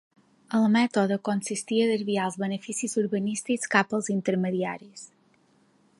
El mètode consistia a desviar els beneficis urbanístics cap als intermediaris.